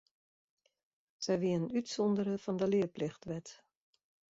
Sy wienen útsûndere fan de learplichtwet.